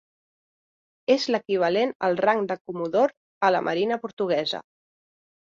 És l'equivalent al rang de comodor a la marina portuguesa.